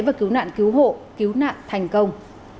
và cứu nạn cứu hộ cứu nạn thành công